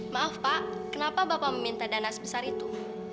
maaf pak kenapa bapak meminta dana sebesar itu